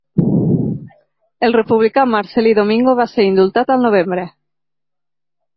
El republicà Marcel·lí Domingo va ser indultat al novembre.